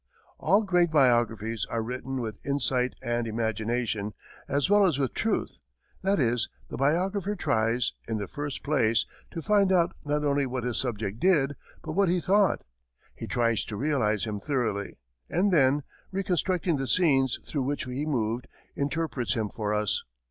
All great biographies are written with insight and imagination, as well as with truth; that is, the biographer tries, in the first place, to find out not only what his subject did, but what he thought; he tries to realize him thoroughly, and then, reconstructing the scenes through which he moved, interprets him for us.